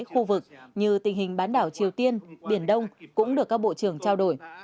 khu vực như tình hình bán đảo triều tiên biển đông cũng được các bộ trưởng trao đổi